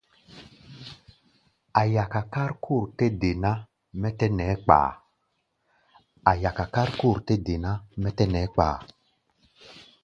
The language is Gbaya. A̧ yaka kárkór tɛ́ de ná, mɛ́ tɛ́ nɛɛ́ kpa a.